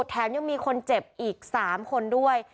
แถมยังมีคนเจ็บอีก๓คนด้วย